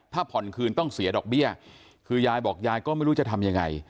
ถ้าผ่อนคืนต้องเสียดอกเบี้ยคือยายบอกยายก็ไม่รู้จะทำยังไง